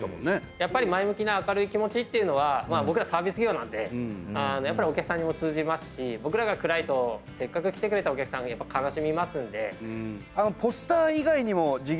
やっぱり前向きな明るい気持ちっていうのは僕らサービス業なんでやっぱりお客さんにも通じますし僕らが暗いとせっかく来てくれたお客さんがやっぱ悲しみますんで。